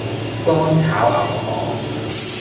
干炒牛河